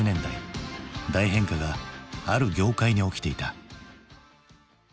大変化がある業界に起きていた。